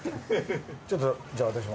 ちょっとじゃあ私も。